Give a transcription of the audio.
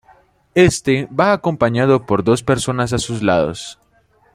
Éste va acompañado por dos personas a sus lados.